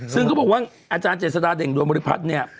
ซึ่งเขาบอกว่าอาจารย์เจษฎาเด่งดวงบริพัฒน์เนี่ย